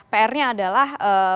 oke oke baik dan pr nya adalah